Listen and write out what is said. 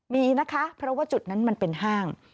มีนะคะเพราะว่าจุดนั้นมันเป็นห้าง